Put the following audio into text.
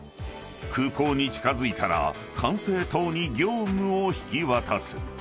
［空港に近づいたら管制塔に業務を引き渡す］